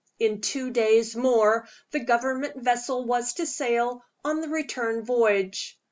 In two days more the Government vessel was to sail on the return voyage.